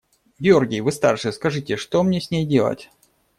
– Георгий, вы старше, скажите, что мне с ней делать?